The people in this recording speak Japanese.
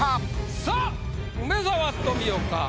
さぁ梅沢富美男か？